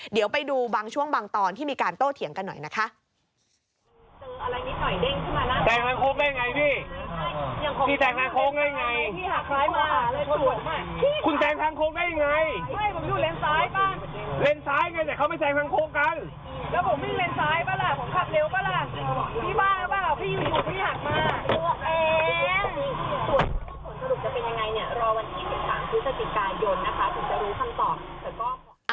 เดี๋ยวไปดูบางช่วงบางตอนที่มีการโต้เถียงกันหน่อยนะคะ